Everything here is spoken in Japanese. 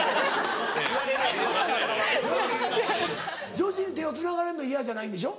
女子に手をつながれるの嫌じゃないんでしょ？